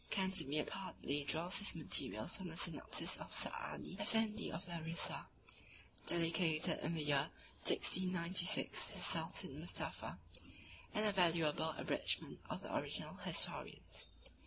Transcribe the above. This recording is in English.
Cantemir partly draws his materials from the Synopsis of Saadi Effendi of Larissa, dedicated in the year 1696 to Sultan Mustapha, and a valuable abridgment of the original historians.